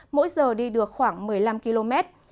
mỗi giờ đi được khoảng một mươi năm km